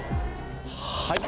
はい。